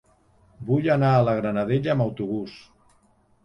Vull anar a la Granadella amb autobús.